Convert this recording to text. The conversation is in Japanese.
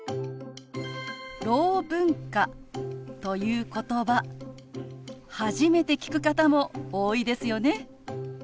「ろう文化」ということば初めて聞く方も多いですよね。